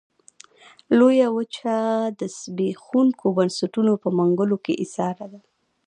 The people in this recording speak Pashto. لویه وچه د زبېښونکو بنسټونو په منګلو کې ایساره ده.